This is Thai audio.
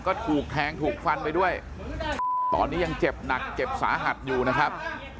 ก็ถูกแทงถูกฟันไปด้วยตอนนี้ยังเจ็บหนักเจ็บสาหัสอยู่นะครับ